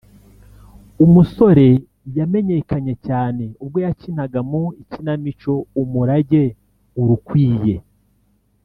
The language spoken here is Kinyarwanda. umusore yamenyekanye cyane ubwo yakinaga mu ikinamico “Umurage urukwiye”